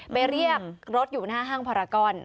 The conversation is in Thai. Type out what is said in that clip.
เรียกรถอยู่หน้าห้างพารากอน